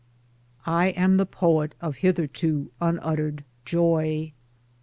] I am the poet of hitherto unuttered joy.